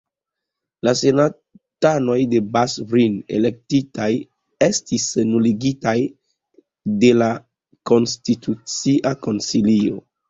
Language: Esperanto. La senatanoj de Bas-Rhin elektitaj la estis nuligitaj la de la Konstitucia Konsilio.